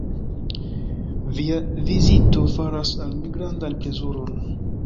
Via vizito faras al mi grandan plezuron.